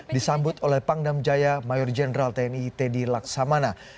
disambut oleh pangdam jaya mayor jenderal tni teddy laksamana